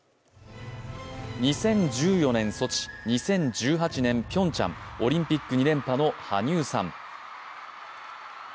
２０１４年ソチ、２０１８年ピョンチャン、オリンピック２連覇の羽生さん。